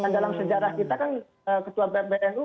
dalam sejarah kita kan ketua pbnu